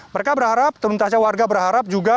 mereka berharap pemerintahnya warga berharap juga